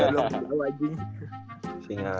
kalau gajah faisal aja